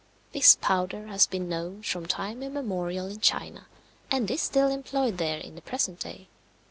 This powder has been known from time immemorial in China, and is still employed there in the present day.